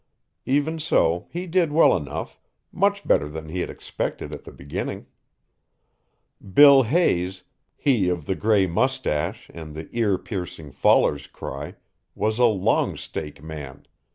Even so he did well enough, much better than he had expected at the beginning. Bill Hayes, he of the gray mustache and the ear piercing faller's cry, was a "long stake" man.